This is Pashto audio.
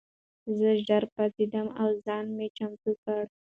زه ژر پاڅېدم او ځان مې چمتو کړ.